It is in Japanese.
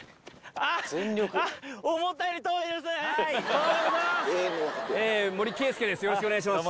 現在今回よろしくお願いします。